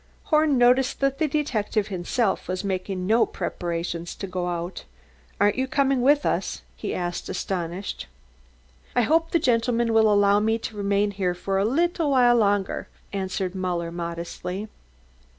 Horn noticed that the detective himself was making no preparations to go out. "Aren't you coming with us?" he asked, astonished. "I hope the gentlemen will allow me to remain here for a little while," answered Muller modestly.